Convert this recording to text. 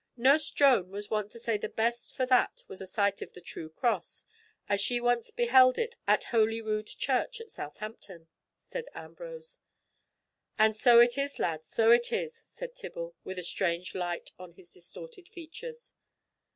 "Nurse Joan was wont to say the best for that was a sight of the true Cross, as she once beheld it at Holy Rood church at Southampton," said Ambrose. "And so it is, lad, so it is," said Tibble, with a strange light on his distorted features.